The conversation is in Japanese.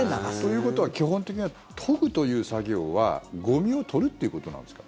ということは基本的には研ぐという作業はゴミを取るということなんですか？